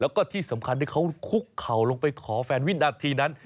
แล้วก็ที่สำคัญที่เขาคุกเข่าลงไปขอแฟนวินาทีนั้น